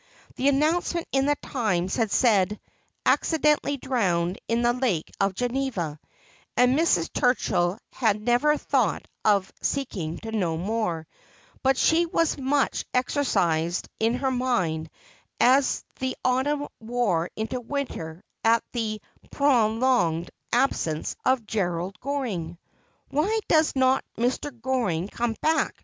The announcement in The Times had said :' Acciden tally drowned in the Lake of Greneva,' and Mrs. Turchill had never thought of seeking to know more. But she was much exercised in her mind as the autumn wore into winter at the prolonged absence of Gerald Goring. ' Why does not Mr. Goring come back